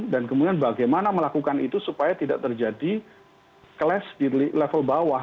dan kemudian bagaimana melakukan itu supaya tidak terjadi keles di level bawah